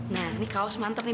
nah ini kaos manter nih